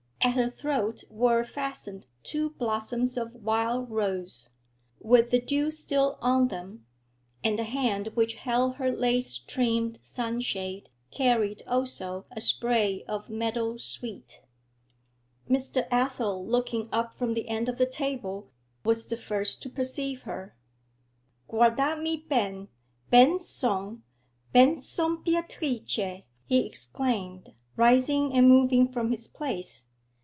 At her throat were fastened two blossoms of wild rose, with the dew still on them, and the hand which held her lace trimmed sunshade carried also a spray of meadow sweet. Mr. Athel, looking up from the end of the table, was the first to perceive her. 'Guardami ben: ben son, ben son Beatrice!' he exclaimed, rising and moving from his place.